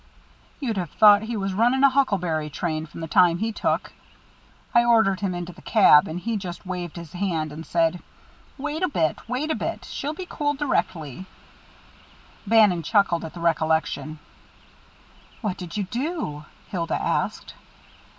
"You'd have thought he was running a huckleberry train from the time he took. I ordered him into the cab, and he just waved his hand and said: "'Wait a bit, wait a bit. She'll be cool directly.'" Bannon chuckled at the recollection. "What did you do?" Hilda asked.